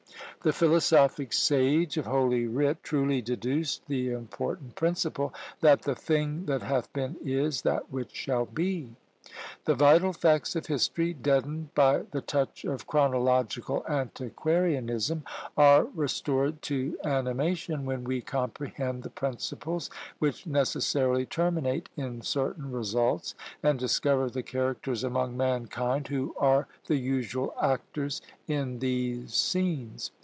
The philosophic sage of holy writ truly deduced the important principle, that "the thing that hath been is that which shall be." The vital facts of history, deadened by the touch of chronological antiquarianism, are restored to animation when we comprehend the principles which necessarily terminate in certain results, and discover the characters among mankind who are the usual actors in these scenes.